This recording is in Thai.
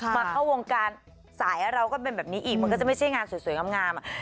มาเข้าวงการสายเราก็เป็นแบบนี้อีกมันก็จะไม่ใช่งานสวยงาม